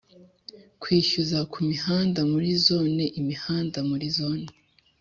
Kwishyuza ku mihanda muri zone i n imihanda muri zone